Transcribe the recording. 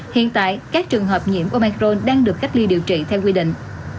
hiện tại các trường hợp nhiễm omacron đang được cách ly điều trị theo quy định